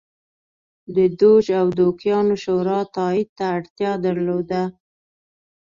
د دوج او دوکیانو شورا تایید ته اړتیا درلوده.